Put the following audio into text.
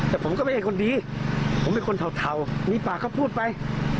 แต่ผมก็ไม่ใช่คนดีผมเป็นคนเทามีปากเขาพูดไป